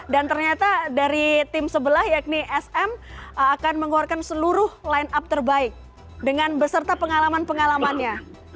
dan ternyata dari tim sebelah yakni sm akan mengeluarkan seluruh line up terbaik dengan beserta pengalaman pengalamannya